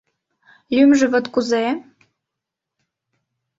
Лӱмжӧ вот кузе?